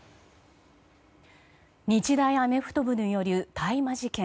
日大アメフト部による大麻事件。